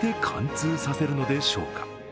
一体どうやって貫通させるのでしょうか。